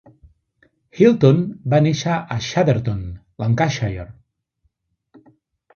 Hilton va néixer a Chadderton, Lancashire.